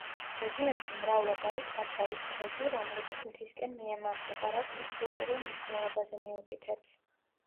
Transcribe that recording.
რეგიონში მრავლად არის საფლავის ქვები, რომლებიც მთისკენ მიემართება, რაც მის კულტურულ მნიშვნელობაზე მიუთითებს.